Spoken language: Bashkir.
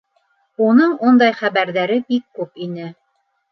Уның ундай хәбәрҙәре бик күп ине.